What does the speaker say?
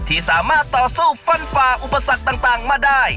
ที่สามารถต่อสู้ฟันฝ่าอุปสรรคต่างมาได้